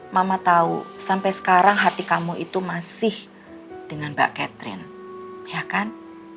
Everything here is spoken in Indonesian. mama tahu sampai sekarang hati kamu itu masih dengan mbak catherine ya kan